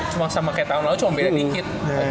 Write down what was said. cuma sama kayak tahun lalu cuma beda dikit